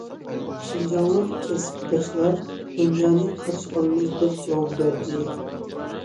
شىنجاڭلىق كەسىپداشلار:« دۇنيانى قارشى ئالىمىز» دەپ جاۋاب بەردى.